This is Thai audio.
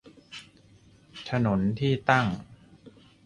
ถนนที่ตั้ง